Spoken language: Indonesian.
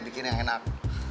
bikin yang enak